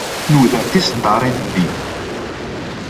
Nuder tiseddaṛin-nni.